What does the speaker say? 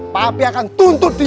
papi akan tuntut dia